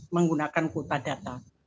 menggunakan kota data